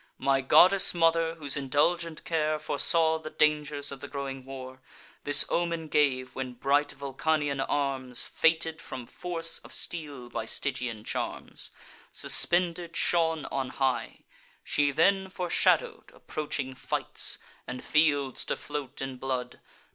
My goddess mother, whose indulgent care Foresaw the dangers of the growing war, This omen gave, when bright Vulcanian arms, Fated from force of steel by Stygian charms, Suspended, shone on high: she then foreshow'd Approaching fights, and fields to float in blood.